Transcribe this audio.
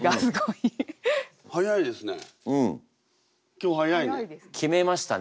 今日早いね。